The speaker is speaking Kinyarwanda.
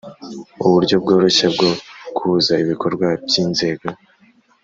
uburyo bworoshye bwo guhuza ibikorwa by inzego